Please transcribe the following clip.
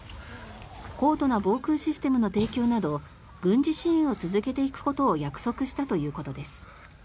高度な防空システムの提供など軍事支援を続けていくことを約束したということです。